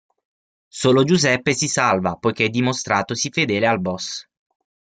Solo Giuseppe si salva, poiché dimostratosi fedele al boss.